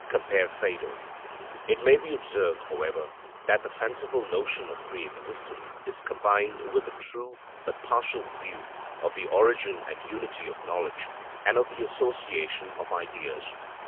(Compare Phaedo.) It may be observed, however, that the fanciful notion of pre existence is combined with a true but partial view of the origin and unity of knowledge, and of the association of ideas.